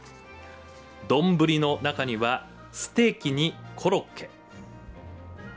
どんぶりの中にはステーキにコロッケ。